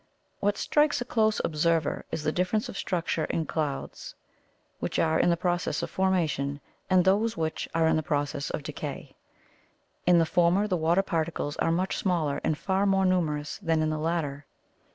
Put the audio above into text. What strikes a close observer is the difference of structure in clouds which are in the process of formation and those which are in the process of decay. In the former the water particles are much smaller and far more numerous than in the latter.